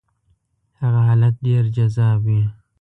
هغه حالت ډېر جذاب وي.